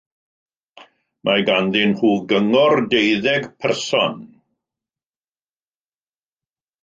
Mae ganddyn nhw Gyngor deuddeg person.